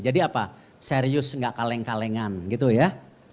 jadi apa serius enggak kaleng kalengan gitu ya